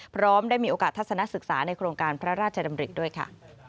พร้อมได้มีโอกาสทัศนศึกษาในโครงการพระราชดำริด้วยค่ะ